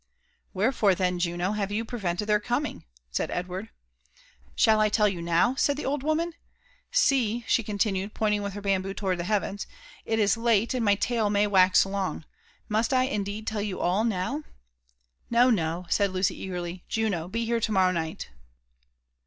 " Wherefore, then, Juno, have you prevented their comingT' teid Bdward. '* Shall I tell you now r ' said the old woman. *^ See," she conti nued, pointing with her bamboo towards the heavens, '' it is late, and my tale may wax long :— must I indeed tetl you all now V ''No, no,'* said Lucy eagerly. "Juno, be here to morrow night."